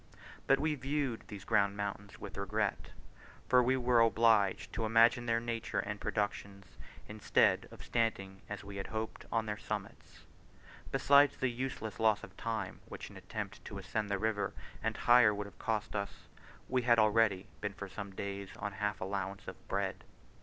But we viewed these grand mountains with regret, for we were obliged to imagine their nature and productions, instead of standing, as we had hoped, on their summits. Besides the useless loss of time which an attempt to ascend the river and higher would have cost us, we had already been for some days on half allowance of bread.